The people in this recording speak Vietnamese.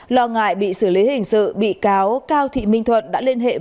lo ngại bị xử lý hình sự bị cáo cao thị minh thuận đã liên hệ với